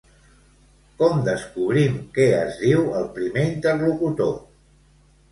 Com descobrim que es diu el primer interlocutor?